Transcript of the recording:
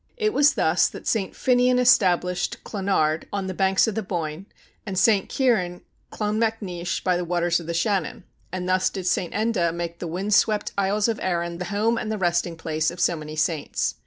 It was thus that St. Finnian established Clonard on the banks of the Boyne, and St. Kieran, Clonmacnois by the waters of the Shannon; and thus did St. Enda make the wind swept Isles of Arran the home and the resting place of so many saints.